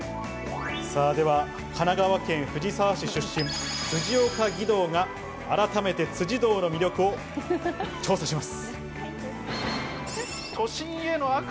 神奈川県藤沢市出身、辻岡義堂が改めて辻堂の魅力を調査します。